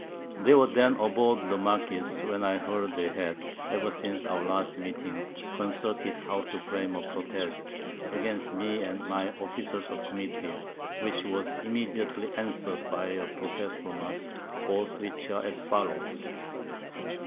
They were than all aboard the Marquiss, where I heard they had, ever since our last Meeting, concerted how to frame a Protest against me, and my Officers of the Committee, which was immediately answer'd by a Protest from us, both which are as follows.